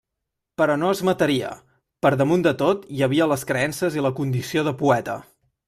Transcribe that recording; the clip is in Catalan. Però no es mataria; per damunt de tot hi havia les creences i la condició de poeta.